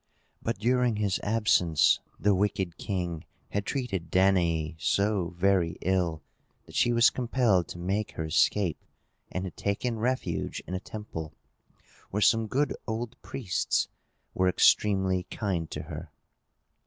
But, during his absence, the wicked king had treated Danaë so very ill that she was compelled to make her escape, and had taken refuge in a temple, where some good old priests were extremely kind to her.